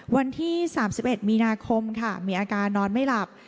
วันที่๓๑มีนาคมค่ะมีอาการนอนไม่หลับ